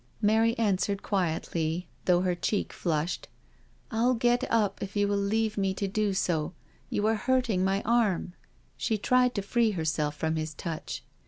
Mary answered quietly though her cheek flushed: "I'll get up if you will leave me to do so — you are hurting my arm." She tried to free herself from his touch.